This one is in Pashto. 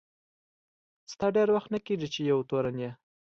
ستا ډېر وخت نه کیږي چي یو تورن یې.